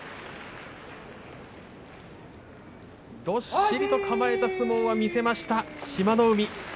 どっしりと構えた相撲は見せました志摩ノ海。